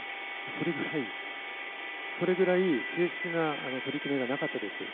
それぐらい、それぐらい正式な取り決めがなかったです。